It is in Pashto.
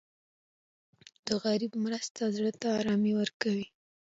د غریب مرسته زړه ته ارامي ورکوي.